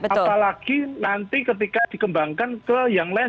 apalagi nanti ketika dikembangkan ke yang lain